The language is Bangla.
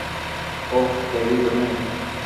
ওহ বেবি তুমি।